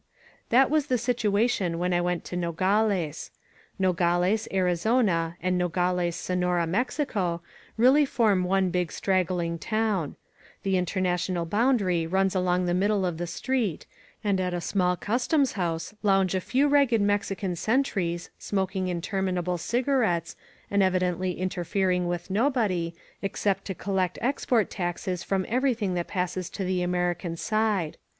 That was the situation when I went to Nogales. Nogales, Arizona, and Nogales, Sonora, Mexico, really form one big straggling town. The international boundary runs along the middle of the street, and at a small customs house lounge a few ragged Mexican sentries, smoking interminable cigarettes, and evidently S68 CARRANZA— AN IMPRESSION interfering with nobody, except to collect export taxes from everything that passes to the American side.